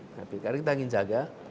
karena kita ingin jaga